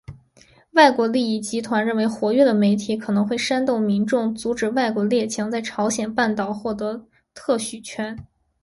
外国利益集团认为活跃的媒体可能会煽动民众阻止外国列强在朝鲜半岛获得特许权。